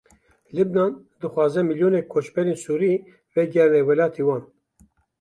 Libnan dixwaze milyonek koçberên Sûrî vegerîne welatê wan.